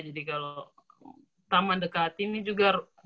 jadi kalau taman dekat ini juga